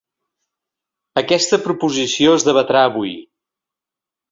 Aquesta proposició es debatrà avui.